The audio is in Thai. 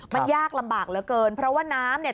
มันยากลำบากเหลือเกินเพราะว่าน้ำเนี่ย